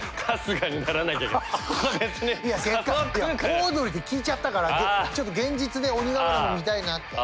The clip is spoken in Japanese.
オードリーって聞いちゃったからちょっと現実で鬼瓦も見たいなって。